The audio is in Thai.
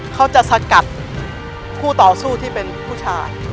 เขาจะสกัดคู่ต่อสู้ที่เป็นผู้ชาย